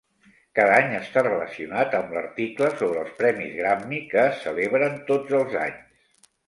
Cada any està relacionat amb l'article sobre els Premis Grammy que es celebren tots els anys.